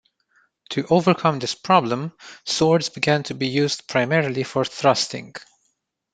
To overcome this problem, swords began to be used primarily for thrusting.